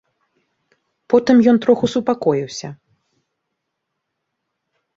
Потым ён троху супакоіўся.